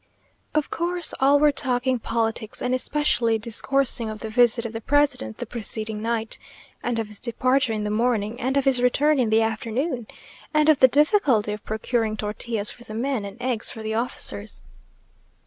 Of course all were talking politics, and especially discoursing of the visit of the president the preceding night, and of his departure in the morning, and of his return in the afternoon, and of the difficulty of procuring tortillas for the men, and eggs for the officers.